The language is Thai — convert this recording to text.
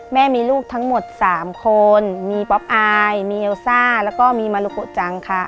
แม่มีลูกทั้งหมด๓คนมีป๊อปอายมีเอลซ่าแล้วก็มีมารุโกจังค่ะ